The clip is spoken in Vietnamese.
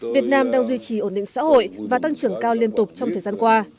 việt nam đang duy trì ổn định xã hội và tăng trưởng cao liên tục trong thời gian qua